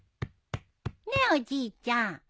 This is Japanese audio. ねえおじいちゃん。